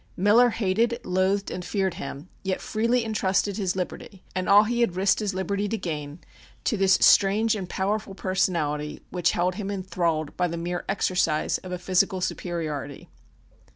Miller hated, loathed and feared him, yet freely entrusted his liberty, and all he had risked his liberty to gain, to this strange and powerful personality which held him enthralled by the mere exercise of a physical superiority.